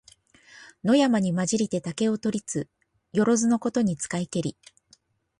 野山にまじりて竹を取りつ、よろづのことに使いけり。